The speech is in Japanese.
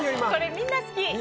みんな好き。